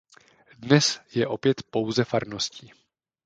Dnes je opět "pouze" farností.